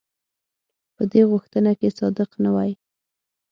په دې غوښتنه کې صادق نه وای.